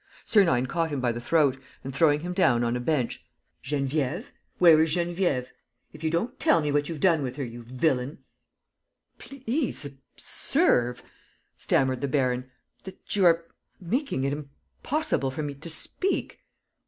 Sernine caught him by the throat and, throwing him down on a bench: "Geneviève? ... Where is Geneviève? If you don't tell me what you've done with her, you villain. ..." "Please observe," stammered the baron, "that you are making it impossible for me to speak."